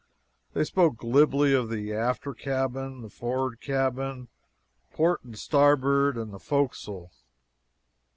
They spoke glibly of the "after cabin," the "for'rard cabin," "port and starboard" and the "fo'castle."